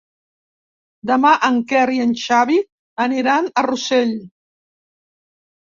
Demà en Quer i en Xavi aniran a Rossell.